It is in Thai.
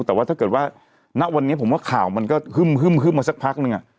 แต่ว่าถ้าเกิดว่าณวันนี้ผมว่าข่าวมันก็ฮึ่มมาสักพักนึง